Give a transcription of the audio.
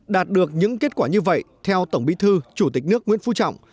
đạt được những kết quả như vậy theo tổng bí thư chủ tịch nước nguyễn phú trọng